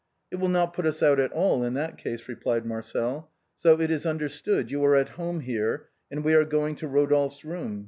" It will not put us out at all in that case," replied Marcel, " so it is understood, you are at home here, and we are going to Rodolphe's room.